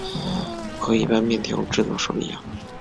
和一般面条制作手一样。